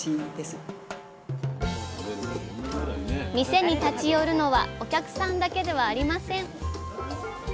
店に立ち寄るのはお客さんだけではありません。